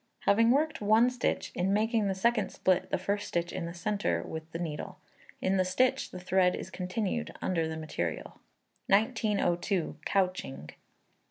Having worked one stitch, in making the second split the first stitch in the centre with the needle. In the stitch, the thread is continued under the material. 1902. Couching.